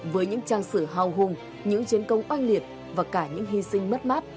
với những trang sử hào hùng những chiến công oanh liệt và cả những hy sinh mất mát